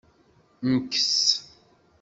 Mkes.